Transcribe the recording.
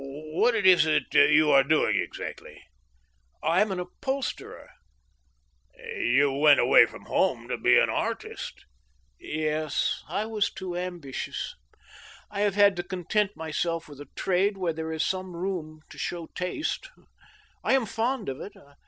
" What is it you are doing, exactly ?"" I am an upholsterer." THE OVERTURE. U " You .went away from home to be an artist" " Yes ; I was too ambitious. I have had to content myself with a trade where there is some room to show taste. ... I am fond of it.